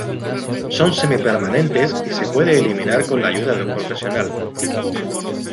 Son semipermanentes y se pueden eliminar con la ayuda de un profesional.